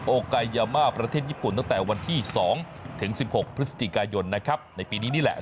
กายยามาประเทศญี่ปุ่นตั้งแต่วันที่๒ถึง๑๖พฤศจิกายนนะครับในปีนี้นี่แหละ